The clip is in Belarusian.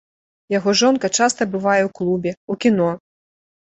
Яго жонка часта бывае ў клубе, у кіно.